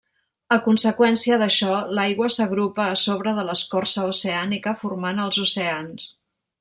A conseqüència d'això, l'aigua s'agrupa a sobre de l'escorça oceànica, formant els oceans.